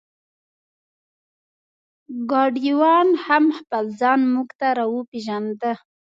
ګاډیوان هم خپل ځان مونږ ته را وپېژنده.